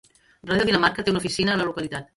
Ràdio Dinamarca té una oficina a la localitat.